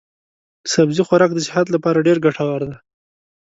سبزي خوراک د صحت لپاره ډېر ګټور دی.